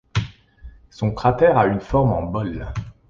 Son cratère a une forme en bol.